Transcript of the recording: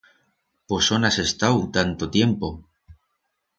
Pos ón has estau, tanto tiempo?